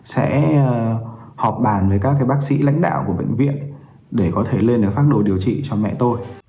sẽ họp bàn với các bác sĩ lãnh đạo của bệnh viện để có thể lên phác đồ điều trị cho mẹ tôi